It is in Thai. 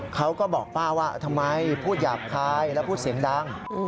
เขาก็บอกป้าว่าทำไมพูดหยาบคายแล้วพูดเสียงดัง